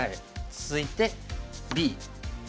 続いてＢ。